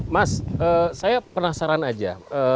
mas saya penasaran aja